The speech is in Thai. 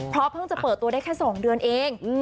เพราะเพิ่งจะเปิดตัวได้แค่๒เดือนเอง